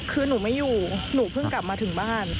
คือหนูไม่อยู่หนูเพิ่งกลับมาถึงบ้าน